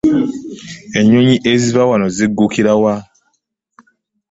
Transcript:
Ennyonyi eziva wano ziggukira wa?